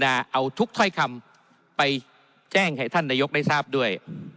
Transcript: เอาทุกถ้อยคำไปแจ้งให้ท่านนายกได้ทราบด้วย